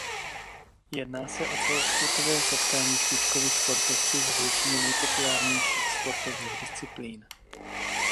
Jedná se o celosvětové setkání špičkových sportovců ve většině nejpopulárnějších sportovních disciplín.